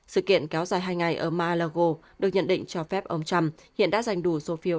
sự kiện kéo dài hai ngày ở mar a lago được nhận định cho phép ông trump hiện đã dành đủ số phiếu